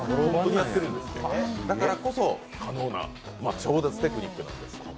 だからこそ可能な超絶テクニックです。